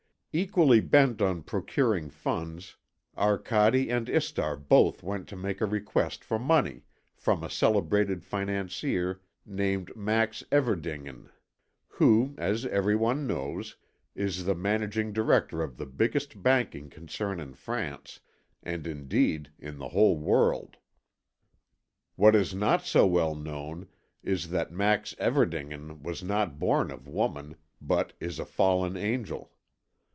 Equally bent on procuring funds, Arcade and Istar both went to make a request for money from a celebrated financier named Max Everdingen, who, as everyone knows, is the managing director of the biggest banking concern in France and indeed in the whole world. What is not so well known is that Max Everdingen was not born of woman, but is a fallen angel.